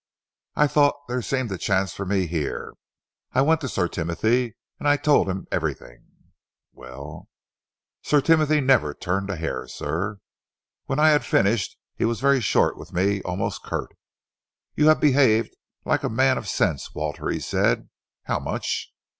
I thought there seemed a chance for me here. I went to Sir Timothy and I told him everything." "Well?" "Sir Timothy never turned a hair, sir. When I had finished he was very short with me, almost curt. 'You have behaved like a man of sense, Walter,' he said. 'How much?'